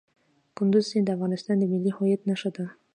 کندز سیند د افغانستان د ملي هویت نښه ده.